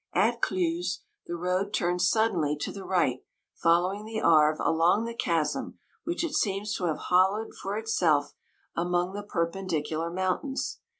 At Cluses the road turns suddenly to the right, following the Arve along the chasm, which it seems to have hollowed for itself among the 144 perpendicular mountains.